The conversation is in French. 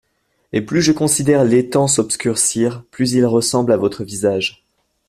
Et plus je considère l'étang s'obscurcir, plus il ressemble à votre visage.